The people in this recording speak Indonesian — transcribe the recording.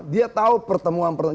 dia tahu pertemuan pertemuan